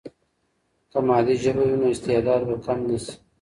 که مادي ژبه وي، نو استعداد به کم نه سي.